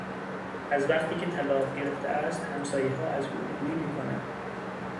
از وقتی که طلاق گرفته است همسایهها از او دوری میکنند.